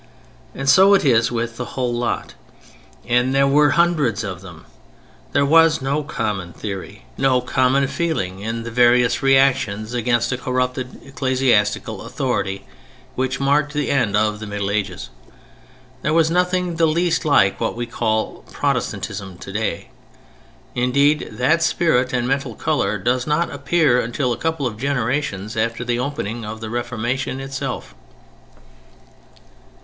And so it is with the whole lot: and there were hundreds of them. There was no common theory, no common feeling in the various reactions against a corrupted ecclesiastical authority which marked the end of the Middle Ages. There was nothing the least like what we call Protestantism today. Indeed that spirit and mental color does not appear until a couple of generations after the opening of the Reformation itself.